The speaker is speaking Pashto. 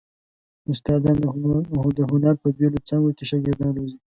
استادان د هنر په بېلو څانګو کې شاګردان روزي.